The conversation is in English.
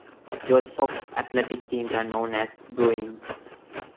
George Fox's athletic teams are known as the Bruins.